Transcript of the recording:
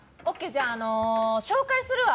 じゃあ、紹介するわ。